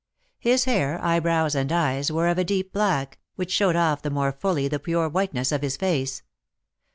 His hair, eyebrows, and eyes were of a deep black, which showed off the more fully the pure whiteness of his face.